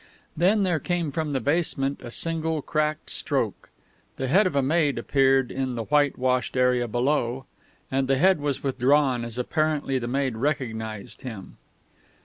Then there came from the basement a single cracked stroke; the head of a maid appeared in the whitewashed area below; and the head was withdrawn as apparently the maid recognised him.